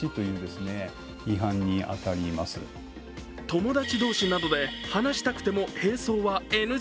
友達同士などで話したくても並走はＮＧ。